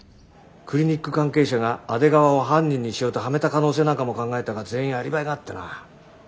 クリニック関係者が阿出川を犯人にしようとはめた可能性なんかも考えたが全員アリバイがあってな。